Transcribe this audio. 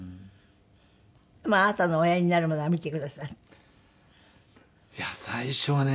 あなたのおやりになるものは見てくださる？いや最初はね